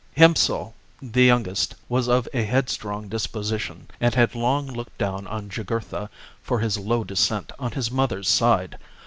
Hiempsal, the youngest, was of a headstrong dis position, and had long looked down on Jugurtha for his low descent on his mother's side.